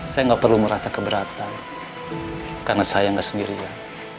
saya nggak perlu merasa keberatan karena saya nggak sendirian